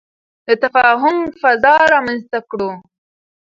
د تفاهم فضا رامنځته کړو.